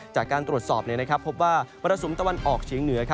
จากการตรวจสอบพบว่ามรสุมตะวันออกเฉียงเหนือ